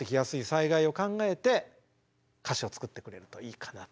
災害を考えて歌詞を作ってくれるといいかなと思いますね。